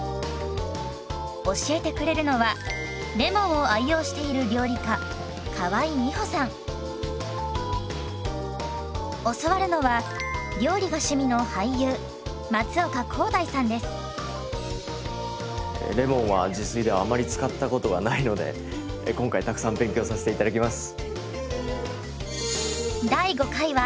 教えてくれるのはレモンを愛用している教わるのはレモンは自炊ではあまり使ったことがないので今回たくさん勉強させて頂きます！